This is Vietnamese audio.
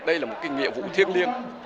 đây là một kinh nghiệm vũ thiết liêng